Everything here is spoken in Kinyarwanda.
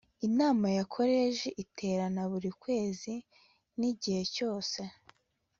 Inama ya Koleji iterana buri kwezi n igihe cyose